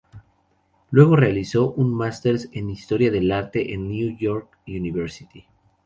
Luego realizó un Masters en Historia del Arte en New York University.